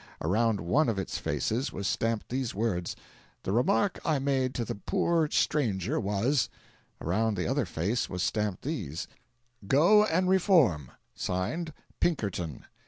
Around one of its faces was stamped these words: "THE REMARK I MADE TO THE POOR STRANGER WAS " Around the other face was stamped these: "GO, AND REFORM. (SIGNED) PINKERTON."